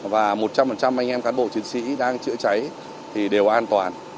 và một trăm linh anh em cán bộ chiến sĩ đang chữa cháy thì đều an toàn